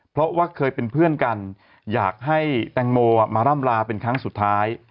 เพราะว่าเคยเป็นเพื่อนกันอยากให้แตงโมมาร่ำลาเป็นครั้งสุดท้าย